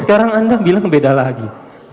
sekarang anda bilang beda lagi